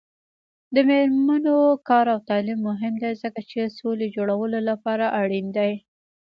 د میرمنو کار او تعلیم مهم دی ځکه چې سولې جوړولو لپاره اړین دی.